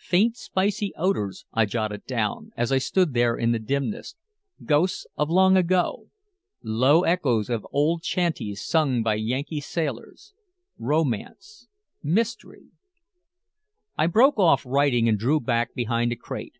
"Faint, spicy odors," I jotted down, as I stood there in the dimness, "ghosts of long ago low echoes of old chanties sung by Yankee sailors romance mystery " I broke off writing and drew back behind a crate.